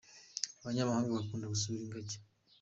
abanyamahanga bakunda gusura ingajyi